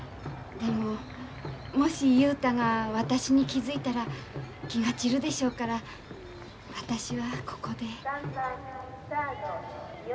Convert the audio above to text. でももし雄太が私に気付いたら気が散るでしょうから私はここで。